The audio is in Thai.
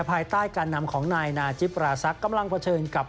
ภายใต้การนำของนายนาจิปราศักดิ์กำลังเผชิญกับ